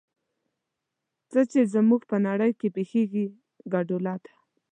څه چې زموږ په نړۍ کې پېښېږي ګډوله ده.